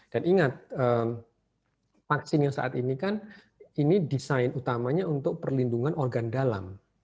dan ingat vaksin yang saat ini kan ini desain utamanya untuk perlindungan organ dalam